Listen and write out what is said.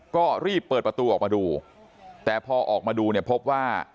ก็รีบเปิดประตูออกมาดูแต่พอออกมาดูเนี่ยพบว่า